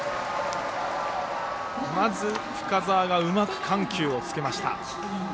まず、深沢がうまく緩急をつけました。